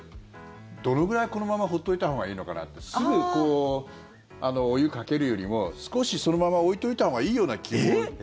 どれぐらいこのまま放っていたほうがいいのかなってすぐお湯かけるよりも少しそのまま置いといたほうがいいような気も。